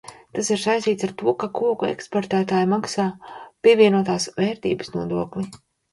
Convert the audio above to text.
Tas ir saistīts ar to, kā koku eksportētāji maksā pievienotās vērtības nodokli.